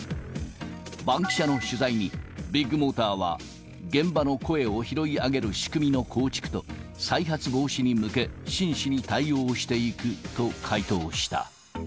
バンキシャの取材に、ビッグモーターは、現場の声を拾い上げる仕組みの構築と、再発防止に向け真摯に対応していくと回答した。